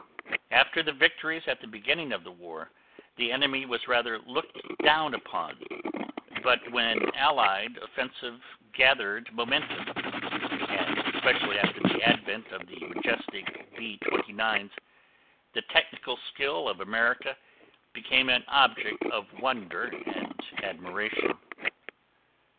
After the victories at the beginning of the war, the enemy was rather looked down upon, but when allied offensive gathered momentum and especially after the advent of the majestic B 29's, the technical skill of America became an object of wonder and admiration.